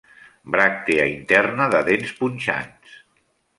Bràctea interna de dents punxants.